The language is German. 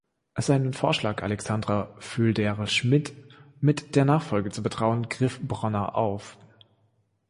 Seinen Vorschlag, Alexandra Föderl-Schmid mit der Nachfolge zu betrauen, griff Bronner auf.